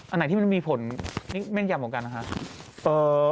อันไหนที่มันมีผลแม่นยำเหมือนกันนะคะ